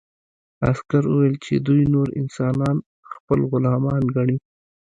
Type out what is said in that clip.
عسکر وویل چې دوی نور انسانان خپل غلامان ګڼي